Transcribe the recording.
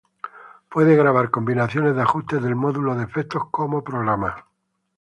Puede grabar combinaciones de ajustes del módulo de efectos como programas.